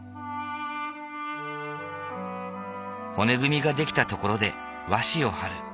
骨組みが出来たところで和紙をはる。